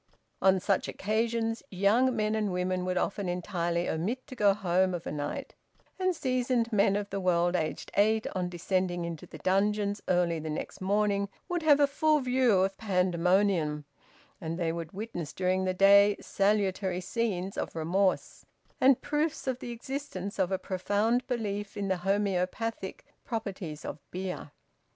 On such occasions young men and women would often entirely omit to go home of a night, and seasoned men of the world aged eight, on descending into the dungeons early the next morning, would have a full view of pandemonium, and they would witness during the day salutary scenes of remorse, and proofs of the existence of a profound belief in the homeopathic properties of beer.